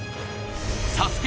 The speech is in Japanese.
ＳＡＳＵＫＥ